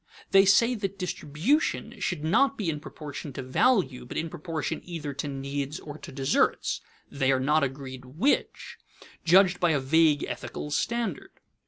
They say that distribution should be not in proportion to value, but in proportion either to needs or to deserts (they are not agreed which), judged by a vague ethical standard.